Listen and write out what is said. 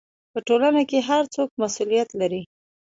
په ټولنه کې هر څوک مسؤلیت لري.